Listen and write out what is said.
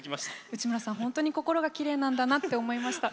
内村さん、本当に心がきれいなんだなと思いました。